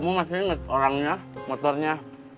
kamu masih ingat orangnya motornya